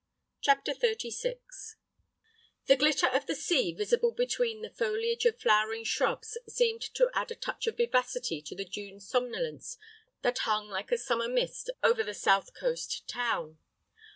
CHAPTER XXXVI The glitter of the sea visible between the foliage of flowering shrubs seemed to add a touch of vivacity to the June somnolence that hung like a summer mist over the south coast town.